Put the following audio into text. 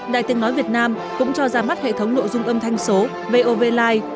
đài tiếng nói việt nam cũng cho ra mắt hệ thống nội dung âm thanh số vovlive